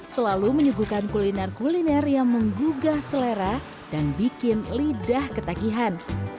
selalu menyuguhkan kuliner kuliner yang menggugah selera dan bikin lidah ketagihan